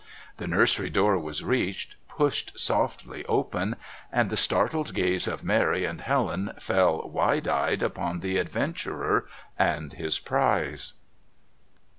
The nursery door was reached, pushed softly open, and the startled gaze of Mary and Helen fell wide eyed upon the adventurer and his prize.